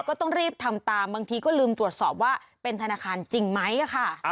ก็ต้องรีบทำตามบางทีก็ลืมตรวจสอบว่าเป็นธนาคารจริงไหมค่ะ